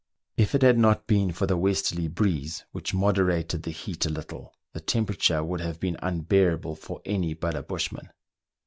If it had not been for the westerly breeze, which moderated th6 heat a little, the temperature would have been unbearable for any but a bushman.